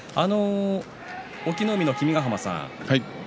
隠岐の海の君ヶ濱さん